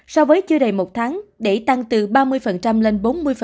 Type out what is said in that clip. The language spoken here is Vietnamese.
so với chưa đầy một tháng để tăng từ ba mươi lên bốn mươi